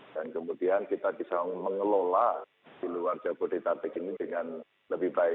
dan kemudian kita bisa mengelola di luar jawa tengah ini dengan lebih baik